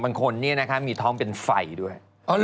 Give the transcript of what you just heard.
ฝั่งคนนี่นะครับมีท้องเป็นไฟด้วย